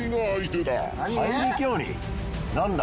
何だ？